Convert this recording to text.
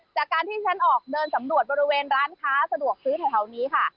จากการที่ฉันออกเดินสำรวจบริเวณร้านค้าสะดวกซื้อแถวนี้ค่ะ